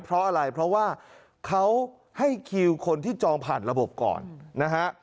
เพราะอะไรเพราะว่าเขาให้คิวคนที่จองผ่านระบบก่อนนะฮะ